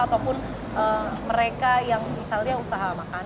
ataupun mereka yang misalnya usaha makan